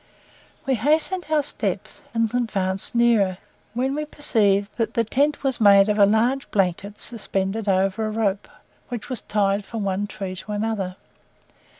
We hastened our steps, and advanced nearer, when we perceived that the tent was made of a large blanket suspended over a rope, which was tied from one tree to another.